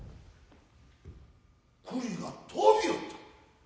栗が飛びおった。